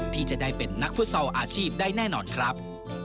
ที่จะได้เป็นนักฟุตซอลอาชีพได้แน่นอนครับ